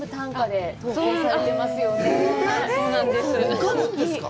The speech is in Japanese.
浮かぶんですか？